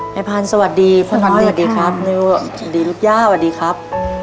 แม่พันธ์สวัสดีสวัสดีครับสวัสดีลูกยาวสวัสดีครับ